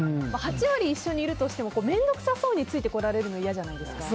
８割一緒にいるとしても面倒くさそうについてこられるの嫌じゃないですか？